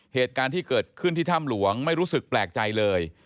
เหตุการณ์ที่เกิดขึ้นที่ถ้ำหลวงไม่รู้สึกแปลกใจเลย